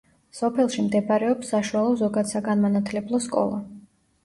სოფელში მდებარეობს საშუალო ზოგადსაგანმანათლებლო სკოლა.